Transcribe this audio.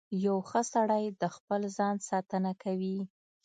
• یو ښه سړی د خپل ځان ساتنه کوي.